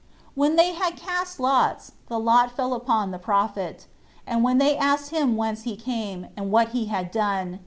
When they had cast lots, 21 the lot fell upon the prophet; and when they asked him whence he came, and what he had done?